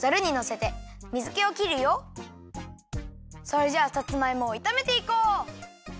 それじゃあさつまいもをいためていこう！